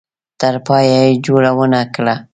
تر پایه یې جوړه ونه کړه.